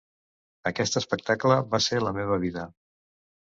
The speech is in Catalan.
Aquest espectacle va ser la meva vida.